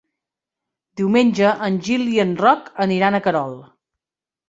Diumenge en Gil i en Roc aniran a Querol.